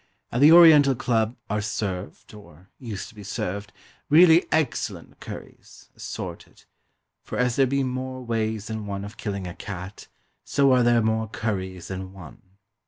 At the Oriental Club are served, or used to be served, really excellent curries, assorted; for as there be more ways than one of killing a cat, so are there more curries than one.